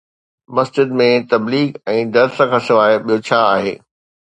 مسجد ۾ تبليغ ۽ درس کان سواءِ ٻيو ڇا آهي؟